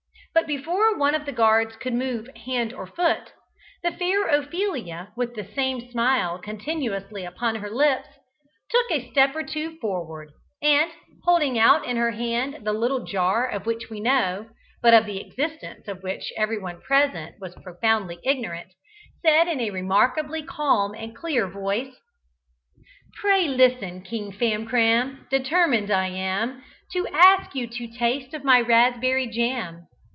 But before one of the guards could move hand or foot, the fair Ophelia, with the same smile continuously upon her lips, took a step or two forward, and, holding out in her hand the little jar of which we know but of the existence of which everyone present was profoundly ignorant, said in a remarkably calm and clear voice "Pray listen: King Famcram, determined I am To ask you to taste of my raspberry jam!"